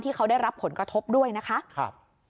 ที่เขาได้รับผลกระทบด้วยนะคะ